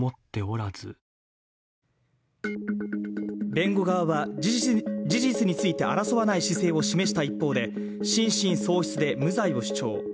弁護側は、事実について争わない姿勢を示した一方で心神喪失で無罪を主張。